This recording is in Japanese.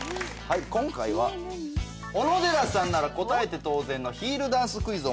今回は小野寺さんなら答えて当然のヒールダンスクイズをお持ちしました。